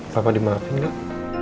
papa dimaafin gak